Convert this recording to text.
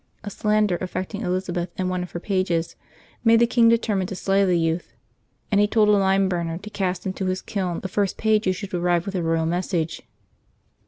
A slander affecting Elizabeth and one of her pages made the king determine to slay the youth, and he told a lime burner to cast into his kiln the first page who should arrive with a royal message.